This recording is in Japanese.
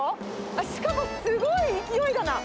しかもすごい勢いだな。